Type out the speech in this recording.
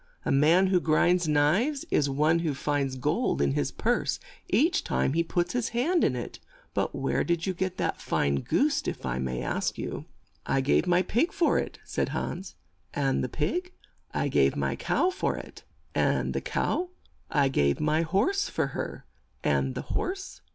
A man who grinds knives is one who finds gold in his purse each time he puts his hand in it. But where did you get that fine goose, if I may ask you?" "I gave my pig for it," said Hans. "And the pig?" "I gave my cow for it." "And the cow?" "I gave my horse for her." "And the horse?"